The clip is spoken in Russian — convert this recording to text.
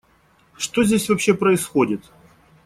Что здесь вообще происходит?